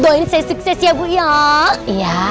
doain saya sukses ya bu ya